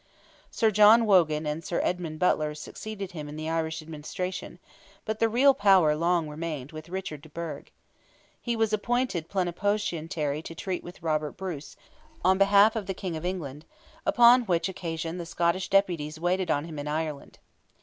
Sir John Wogan and Sir Edmund Butler succeeded him in the Irish administration; but the real power long remained with Richard de Burgh. He was appointed plenipotentiary to treat with Robert Bruce, on behalf of the King of England, "upon which occasion the Scottish deputies waited on him in Ireland."